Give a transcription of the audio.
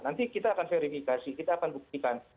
nanti kita akan verifikasi kita akan buktikan